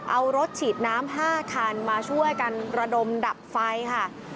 เอารถฉีดน้ำ๕คันมาช่วยกันระดมดับไฟค่ะ